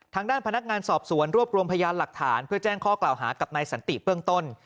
ทางด้านพนักงานสอบสวนรวบรวมพยานหลักฐานเพื่อแจ้งข้อกล่าวหากับนายสันติเบื้องต้น